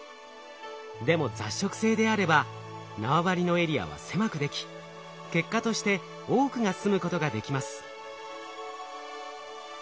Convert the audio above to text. でも雑食性であれば縄張りのエリアは狭くでき結果として多くがすむことができます。